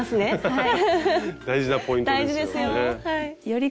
はい。